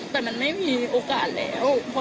แต่มันไม่มีโอกาสแล้ว